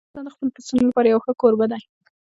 افغانستان د خپلو پسونو لپاره یو ښه کوربه دی.